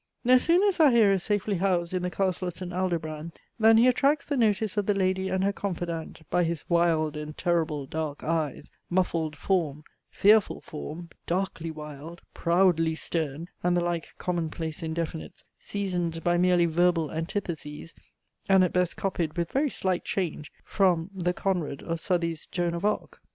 No sooner is our hero safely housed in the Castle of St. Aldobrand, than he attracts the notice of the lady and her confidante, by his "wild and terrible dark eyes," "muffled form," "fearful form," "darkly wild," "proudly stern," and the like common place indefinites, seasoned by merely verbal antitheses, and at best, copied with very slight change, from the Conrade of Southey's JOAN OF ARC.